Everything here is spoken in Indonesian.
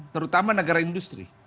terutama negara industri